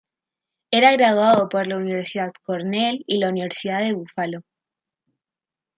Era graduado por la Universidad Cornell y la Universidad de Búfalo.